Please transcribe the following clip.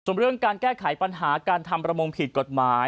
ส่วนเรื่องการแก้ไขปัญหาการทำประมงผิดกฎหมาย